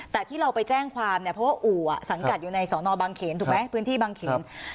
แต่ที่เราไปแจ้งความเนี่ยเพราะว่าอู่สังกัดอยู่ในสอนอบางเขนถูกไหมพื้นที่บางเขน